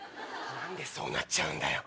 何でそうなっちゃうんだよ？